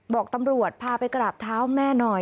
บอกตำรวจพาไปกราบเท้าแม่หน่อย